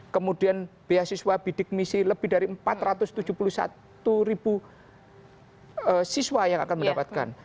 kemudian beasiswa bidik misi lebih dari empat ratus tujuh puluh satu ribu siswa yang akan mendapatkan